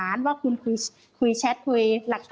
เป็นตำรวจพูดซะเป็นส่วนใหญ่หรือว่าเป็นผู้ชายที่มาทีหลังค่ะ